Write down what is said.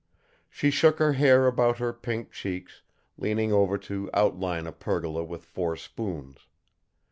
She shook her hair about her pink cheeks, leaning over to outline a pergola with four spoons.